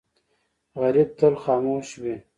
غریب تل خاموش وي